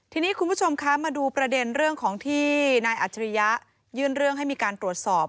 ทีนี้คุณผู้ชมคะมาดูประเด็นเรื่องของที่นายอัจฉริยะยื่นเรื่องให้มีการตรวจสอบ